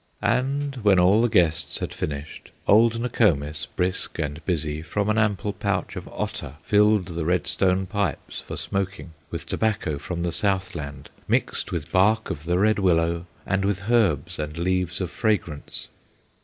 And when all the guests had finished, Old Nokomis, brisk and busy, From an ample pouch of otter, Filled the red stone pipes for smoking With tobacco from the South land, Mixed with bark of the red willow, And with herbs and leaves of fragrance.